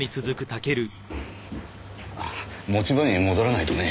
持ち場に戻らないとね。